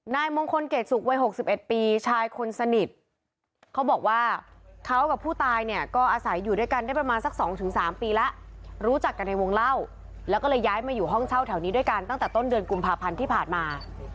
นายมงคลเกรดสุขวัย๖๑ปีชายคนสนิทเขาบอกว่าเขากับผู้ตายเนี่ยก็อาศัยอยู่ด้วยกันได้ประมาณสัก๒๓ปีแล้วรู้จักกันในวงเล่าแล้วก็เลยย้ายมาอยู่ห้องเช่าแถวนี้ด้วยกันตั้งแต่ต้นเดือนกุมภาพันธ์ที่ผ่านมา